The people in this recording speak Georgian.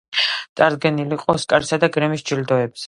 წარდგენილი იყო ოსკარისა და გრემის ჯილდოებზე.